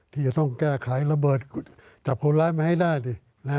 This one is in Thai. ที่จะต้องแก้ไขระเบิดจับคนร้ายมาให้ได้ดิ